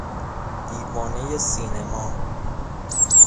دیوانهی سینما